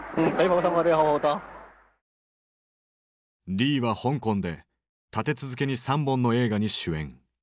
リーは香港で立て続けに３本の映画に主演。